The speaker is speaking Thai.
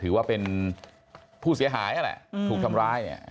ถือว่าเป็นผู้เสียหายนั่นแหละถูกทำร้าย